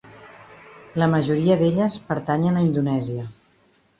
La majoria d'elles pertanyen a Indonèsia.